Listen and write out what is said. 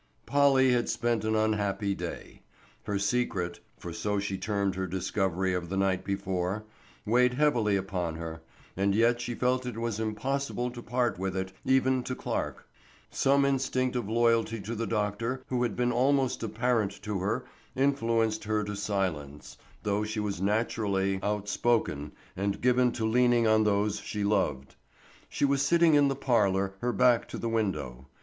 POLLY had spent an unhappy day. Her secret—for so she termed her discovery of the night before—weighed heavily upon her, and yet she felt it was impossible to part with it, even to Clarke. Some instinct of loyalty to the doctor who had been almost a parent to her influenced her to silence, though she was naturally outspoken and given to leaning on those she loved. She was sitting in the parlor, her back to the window.